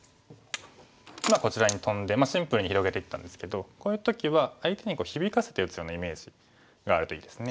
今こちらにトンでシンプルに広げていったんですけどこういう時は相手に響かせて打つようなイメージがあるといいですね。